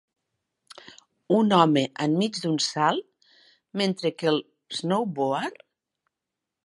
Un home enmig d'un salt mentre que el snowboard